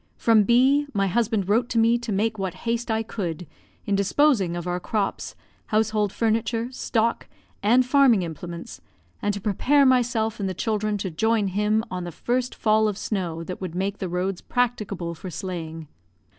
From B , my husband wrote to me to make what haste I could in disposing of our crops, household furniture, stock, and farming implements; and to prepare myself and the children to join him on the first fall of snow that would make the roads practicable for sleighing.